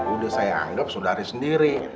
udah saya anggap saudari sendiri